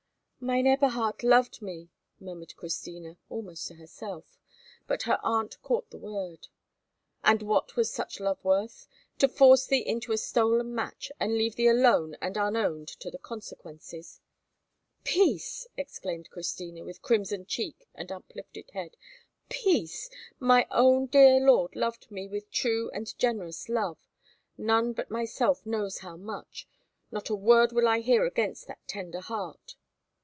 "Mine Eberhard loved me!" murmured Christina, almost to herself, but her aunt caught the word. "And what was such love worth? To force thee into a stolen match, and leave thee alone and unowned to the consequences!" "Peace!" exclaimed Christina, with crimson cheek and uplifted head. "Peace! My own dear lord loved me with true and generous love! None but myself knows how much. Not a word will I hear against that tender heart."